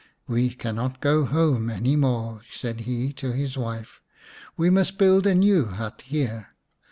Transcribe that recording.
" We cannot go home any more," said he to his wife. " We must build a new hut here.